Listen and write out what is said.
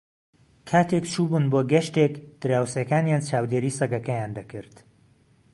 کاتێک چوو بوون بۆ گەشتێک، دراوسێکانیان چاودێریی سەگەکەیان دەکرد.